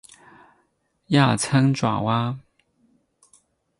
亚参爪哇。